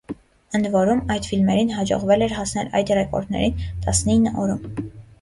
Ընդ որում, այդ ֆիլմերին հաջողվել էր հասնել այդ ռեկորդներին տասնինը օրում։